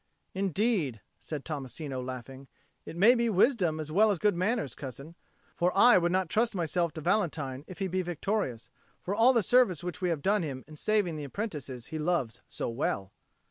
"Indeed," said Tommasino, laughing, "it may be wisdom as well as good manners, cousin. For I would not trust myself to Valentine if he be victorious, for all the service which we have done him in saving the apprentices he loves so well."